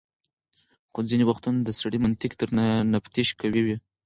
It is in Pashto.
خو ځینې وختونه د سړي منطق تر تفتيش قوي وي.